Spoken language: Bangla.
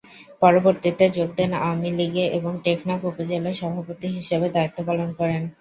পরবর্তীতে যোগ দেন আওয়ামী লীগে এবং টেকনাফ উপজেলা সভাপতি হিসেবে দায়িত্ব পালন করেন।